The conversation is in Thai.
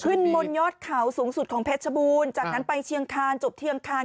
ขึ้นบนยอดเขาสูงสุดของเพชรบูรณ์จากนั้นไปเชียงคานจบเทียงคาร